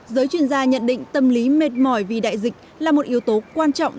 giới chuyên gia nhận định tâm lý mệt mỏi vì đại dịch là một yếu tố quan trọng